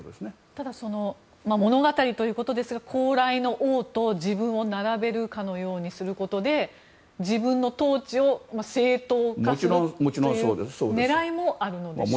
ただ物語ということですが高麗の王と自分を並べるかのようにすることで自分の統治を正当化するという狙いもあるんでしょうか。